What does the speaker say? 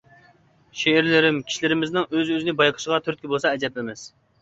شېئىرلىرىم كىشىلىرىمىزنىڭ ئۆز-ئۆزىنى بايقىشىغا تۈرتكە بولسا ئەجەب ئەمەس.